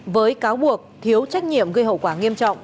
với cáo buộc thiếu trách nhiệm gây hậu quả nghiêm trọng